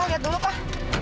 dewi ternyata kamu wik